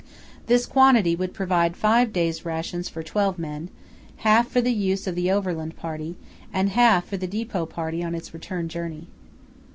This quantity would provide five days' rations for twelve men, half for the use of the overland party, and half for the depot party on its return journey.